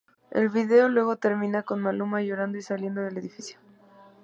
El video luego termina con Maluma llorando y saliendo del edificio.